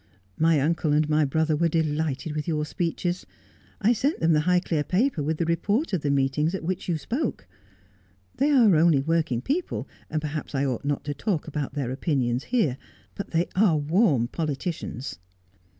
My uncle and my brother were delighted with your speeches. I sent them the Highclere paper with the report of the meetings at which you spoke. They are only working people, and perhaps I ought not to talk about their opinions here. But they are warm politicians.'